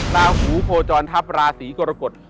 ลาหูโคจรทัพราศีกรกฎ